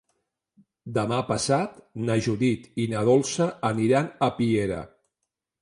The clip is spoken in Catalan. Demà passat na Judit i na Dolça aniran a Piera.